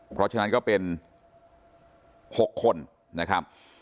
เพราะฉะนั้นก็เป็น๖คนนะครับ